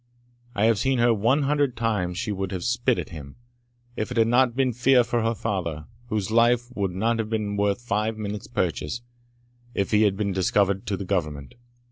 I have seen her one hundred times she would have spit at him, if it had not been fear for her father, whose life would not have been worth five minutes' purchase if he had been discovered to the Government.